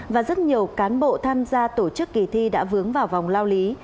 và rất nhiều cán bộ tham gia tổ chức kỳ thi đã vướng vào vòng lao lý